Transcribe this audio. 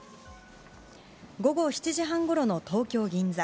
午後７時半ごろの東京・銀座。